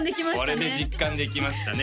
これで実感できましたね